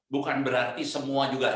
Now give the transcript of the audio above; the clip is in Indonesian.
bukan berarti semua juga